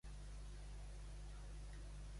L'ou de la polla blanca.